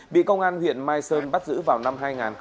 bị công an huyện mai sơn bắt giữ vào năm hai nghìn bảy